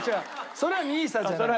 それはＮＩＳＡじゃないんだ。